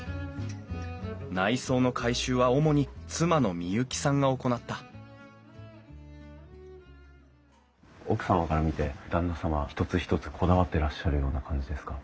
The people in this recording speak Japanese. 内装の改修は主に妻の美雪さんが行った奥様から見て旦那様は一つ一つこだわってらっしゃるような感じですか？